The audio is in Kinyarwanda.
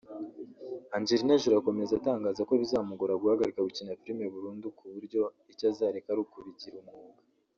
Angelina Jolie akomeza atangaza ko bizamugora guhagarika gukina filime burundu ku buryo icyo azareka ari ukubigira umwuga